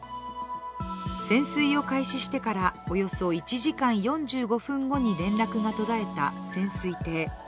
潜水を開始してからおよそ１時間４５分後に連絡が途絶えた潜水艇。